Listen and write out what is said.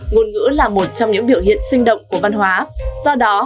ngôn ngữ là một trong những biểu hiện sinh động của văn hóa do đó